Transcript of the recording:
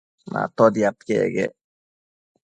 Matotiad iquec quec